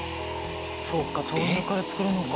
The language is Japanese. そっか豆乳から作るのか。